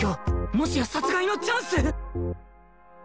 もしや殺害のチャンス！？